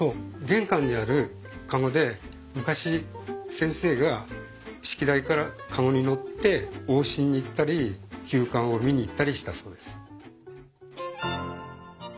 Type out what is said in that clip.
玄関にある籠で昔先生が式台から籠に乗って往診に行ったり急患を診に行ったりしたそうです。